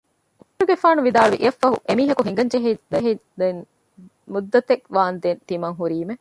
ޢުމަރުގެފާނު ވިދާޅުވި އެއަށް ފަހު އެ މީހަކު ހިނގައްޖެ ދެން މުއްދަތެއް ވާނދެން ތިމަން ހުރީމު